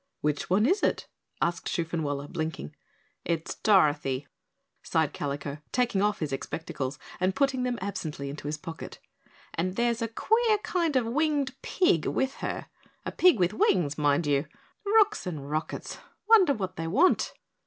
"Which one is it?" asked Shoofenwaller, blinking. "It's Dorothy," sighed Kalico, taking off his expectacles and putting them absently into his pocket, "and there's a queer kind of winged pig with her. A pig with wings, mind you. Rooks and rockets! Wonder what they want?"